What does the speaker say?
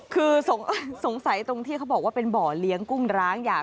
คือสงสัยตรงที่เขาบอกว่าเป็นบ่อเลี้ยงกุ้งร้างอยาก